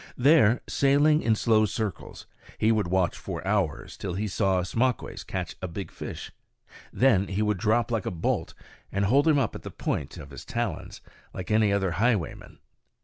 There, sailing in slow circles, he would watch for hours till he saw Ismaques catch a big fish, when he would drop like a bolt and hold him up at the point of his talons, like any other highwayman.